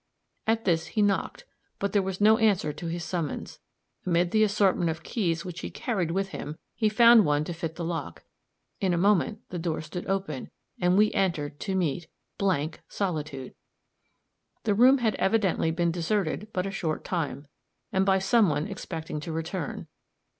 At this he knocked; but there was no answer to his summons. Amid the assortment of keys which he carried with him, he found one to fit the lock; in a moment the door stood open, and we entered to meet blank solitude! The room had evidently been deserted but a short time, and by some one expecting to return.